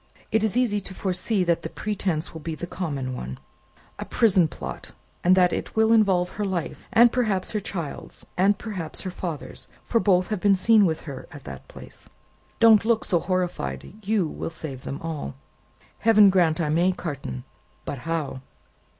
It is easy to foresee that the pretence will be the common one, a prison plot, and that it will involve her life and perhaps her child's and perhaps her father's for both have been seen with her at that place. Don't look so horrified. You will save them all." "Heaven grant I may, Carton! But how?"